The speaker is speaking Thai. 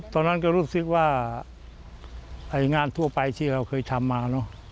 ตอนนั้นก็รู้สึกว่างานทั่วไปที่เราเคยทำมาเนอะ